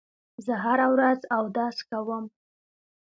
زه هره ورځ اودس کوم.